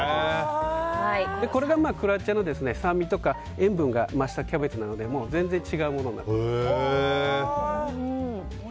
これでクロアチアの酸味とか塩分が増したキャベツなので全然違うものになっています。